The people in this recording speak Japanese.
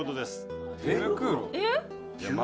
えっ？